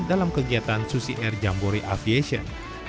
dalam kegiatan susi air jambore aviation